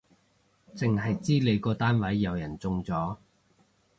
剩係知你個單位有人中咗